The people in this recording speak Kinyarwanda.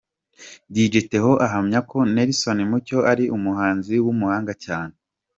Dj Theo ahamya ko Nelson Mucyo ari umuhanzi w'umuhanga cyane.